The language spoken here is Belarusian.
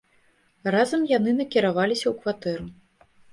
Разам яны накіраваліся ў кватэру.